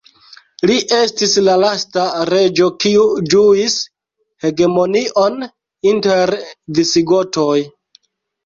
Li estis la lasta reĝo kiu ĝuis hegemonion inter visigotoj.